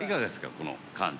この感じ。